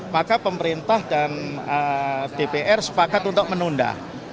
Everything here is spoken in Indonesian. maka pemerintah dan dpr sepakat untuk menunda